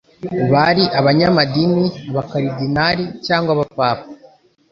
bari abanyamadini abakaridinari cyangwa abapapa